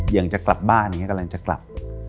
อย่างจะกลับบ้านอย่างนี้กำลังจะกลับ